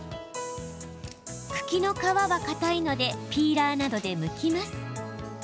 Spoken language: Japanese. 茎の皮は、かたいのでピーラーなどで、むきます。